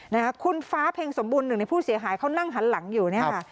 นะคะคุณฟ้าเพ็งสมบูรณหนึ่งในผู้เสียหายเขานั่งหันหลังอยู่เนี่ยค่ะ